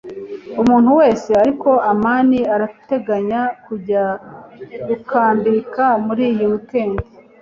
Umuntu wese ariko amani arateganya kujya gukambika muri iyi weekend.